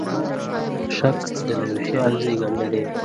شک د نوي خیال زېږنده دی.